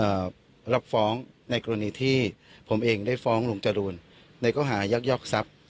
รับฟ้องในกรณีที่ผมเองได้ฟ้องลุงจรูนในข้อหายักยอกทรัพย์